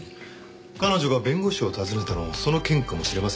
彼女が弁護士を訪ねたのもその件かもしれませんね。